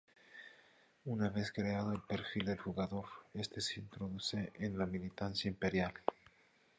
Una vez creado el perfil del jugador, este se introduce en la militancia imperial.